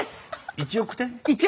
１億点！